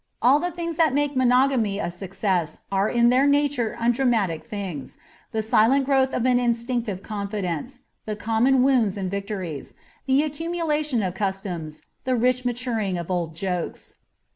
All the things that make monogamy a success are in their nature undramatic things, the silent growth of an instinctive con fidence, the common wounds and victories, the accumulation of customs, the rich maturing of old jokes.